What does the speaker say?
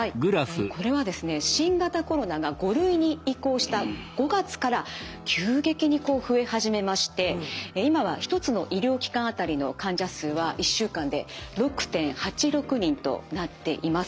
これはですね新型コロナが５類に移行した５月から急激にこう増え始めまして今は１つの医療機関当たりの患者数は１週間で６．８６人となっています。